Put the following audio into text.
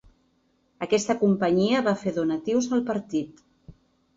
Aquesta companyia va fer donatius al partit.